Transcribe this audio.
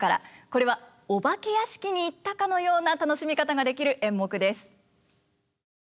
これはお化け屋敷に行ったかのような楽しみ方ができる演目です。